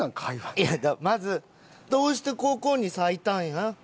いやまずどうしてここに咲いたんや？